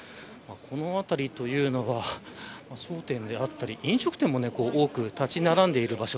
この辺りは商店だったり飲食店も多く立ち並んでいる場所。